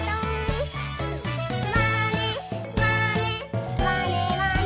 「まねまねまねまね」